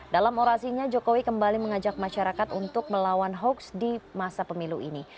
dalam orasinya jokowi kembali mengajak masyarakat untuk melawan hoaks di masa pemilu ini